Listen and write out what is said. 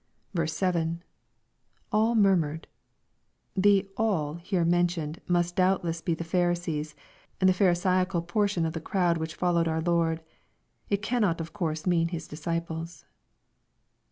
7, — [All murmured!] The " all" here mentioned must doubtless be the Pl^msees, and the Pharisaical portion of the crowd which fol lowed our Lord. It cannot of course mean His disciples.